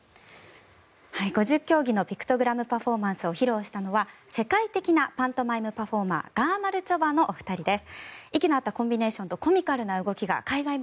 ５０競技のピクトグラムパフォーマンスを披露したのは世界的なパントマイムパフォーマーがまるちょばのお二人です。